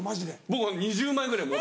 僕２０枚ぐらい。